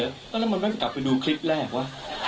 แล้วมันก็กลับไปดูคลิปแรกวะ